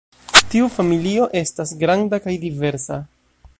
Tiu familio estas kaj granda kaj diversa.